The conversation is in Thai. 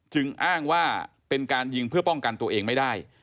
อ้างว่าเป็นการยิงเพื่อป้องกันตัวเองไม่ได้